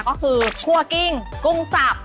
ก็คือคั่วกิ้งกุ้งสับ